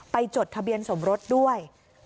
จดทะเบียนสมรสด้วย